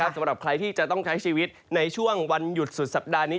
สำหรับใครที่จะต้องใช้ชีวิตในช่วงวันหยุดสุดสัปดาห์นี้